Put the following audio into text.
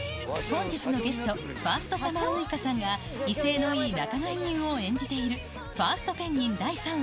本日のゲスト、ファーストサマーウイカさんが威勢のいい仲買人を演じている、ファーストペンギン！